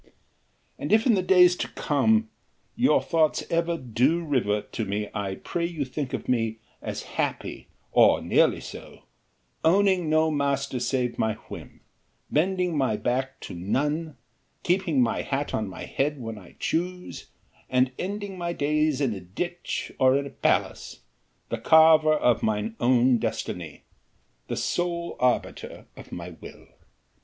And if in the days to come your thoughts ever do revert to me, I pray you think of me as happy or nearly so, owning no master save my whim, bending my back to none, keeping my hat on my head when I choose, and ending my days in a ditch or in a palace, the carver of mine own destiny, the sole arbiter of my will.